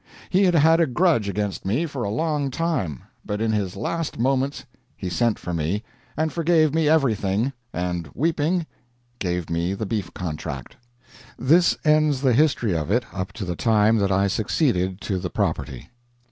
He had had a grudge against me for a long time; but in his last moments he sent for me, and forgave me everything, and, weeping, gave me the beef contract. This ends the history of it up to the time that I succeeded to the property.